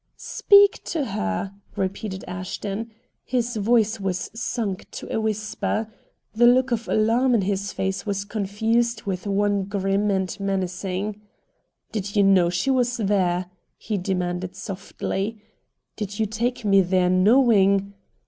"Speak to her!" repeated Ashton. His voice was sunk to a whisper. The look of alarm in his face was confused with one grim and menacing. "Did you know she was there?" he demanded softly. "Did you take me there, knowing